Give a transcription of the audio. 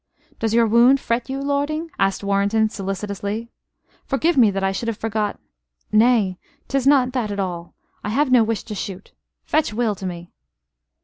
"Does your wound fret you, lording?" asked Warrenton, solicitously. "Forgive me that I should have forgot " "Nay 'tis not that at all. I have no wish to shoot. Fetch Will to me."